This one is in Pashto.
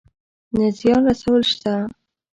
نه زيان رسول شته.